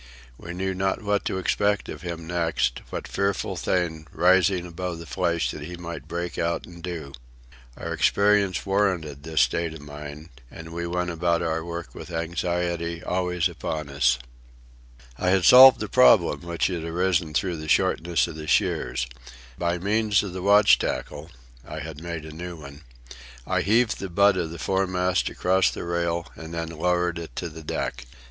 We knew not what to expect of him next, what fearful thing, rising above the flesh, he might break out and do. Our experience warranted this state of mind, and we went about our work with anxiety always upon us. I had solved the problem which had arisen through the shortness of the shears. By means of the watch tackle (I had made a new one), I heaved the butt of the foremast across the rail and then lowered it to the deck.